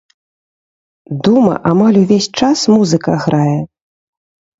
Дома амаль увесь час музыка грае.